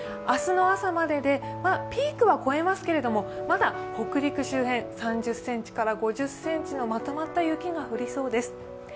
明日の朝までで、ピークは超えますけれども、まだ北陸周辺、３０ｃｍから５０ｃｍのまとまった雪が降りそうです。